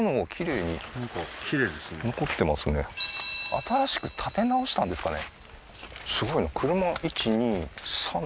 新しく建て直したんですかね？